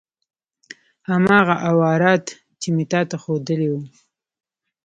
هماغه اوراد چې مې تا ته خودلي وو.